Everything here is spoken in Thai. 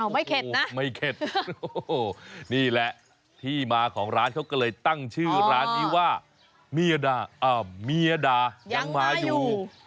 ไม่เข็ดไม่เข็ดนี่แหละที่มาของร้านเขาก็เลยตั้งชื่อร้านนี้ว่าเมียด่ายังมาอยู่